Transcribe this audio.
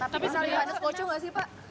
tapi soal yohannes kocok gak sih pak